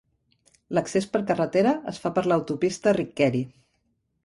L'accés per carretera es fa per l'autopista Riccheri.